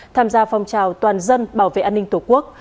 tham gia phong trào toàn dân bảo vệ an ninh tổ quốc